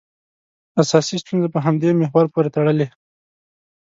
اساسي ستونزه په همدې محور پورې تړلې.